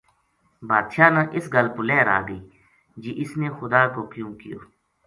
بادشاہ نا اس گل پو لہر آ گئی جی اس نے خدا کو کیو ں کہیو